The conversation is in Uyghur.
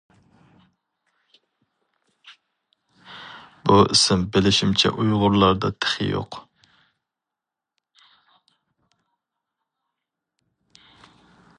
بۇ ئىسىم بىلىشىمچە ئۇيغۇرلاردا تېخى يوق.